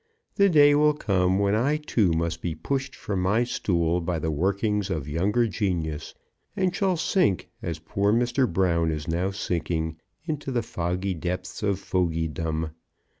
"The day will come when I too must be pushed from my stool by the workings of younger genius, and shall sink, as poor Mr. Brown is now sinking, into the foggy depths of fogeydom.